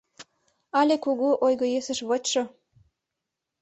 Але кугу ойго-йӧсыш вочшо.